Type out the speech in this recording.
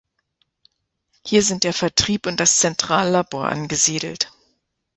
Hier sind der Vertrieb und das Zentrallabor angesiedelt.